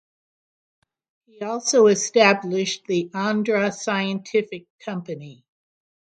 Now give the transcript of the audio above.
He also established the Andhra Scientific Company.